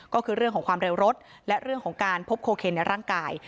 ก็คือเรื่องของความเร็วรถและเรื่องของการพบโคเคนในร่างกาย